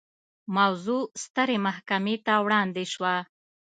موضوع سترې محکمې ته وړاندې شوه.